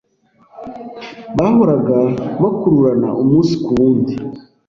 Bahoraga bakururana umunsi ku wundi